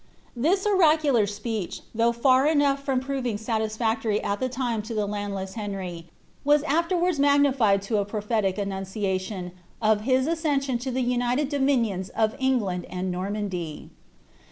Tliis oracular speech, lliough far enough from proring sntiafactoiy il the time lo llie landless Henry, was afierwurds mogiiilied into s propbriis annuticintion of his accession lo the united dominions of England tti Mormaiidy.